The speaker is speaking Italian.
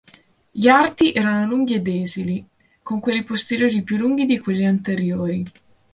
Gli arti erano lunghi ed esili, con quelli posteriori più lunghi di quelli anteriori.